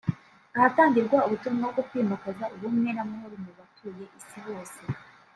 ahatangirwa ubutumwa bwo kwimakaza ubumwe n’amahoro mu batuye isi bose